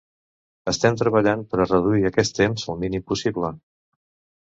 Estem treballant per a reduir aquest temps al mínim possible.